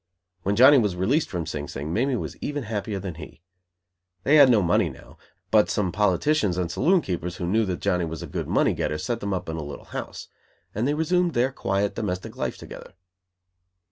When Johnny was released from Sing Sing, Mamie was even happier than he. They had no money now, but some politicians and saloon keepers who knew that Johnny was a good money getter, set them up in a little house. And they resumed their quiet domestic life together.